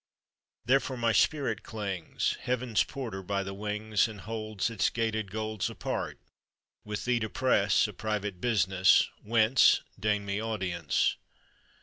Therefore my spirit clings Heaven's porter by the wings, And holds Its gated golds Apart, with thee to press A private business; Whence, Deign me audience.